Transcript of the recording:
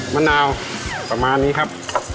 มะนาวประมาณนี้ครับ